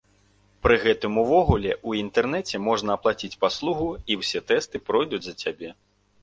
Пры гэтым увогуле ў інтэрнэце можна аплаціць паслугу, і ўсе тэсты пройдуць за цябе.